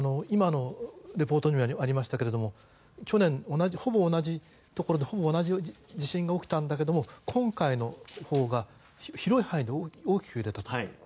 今のレポートにもありましたが去年、ほぼ同じところでほぼ同じ地震が起きたんだけども今回のほうが広い範囲で大きく揺れたと。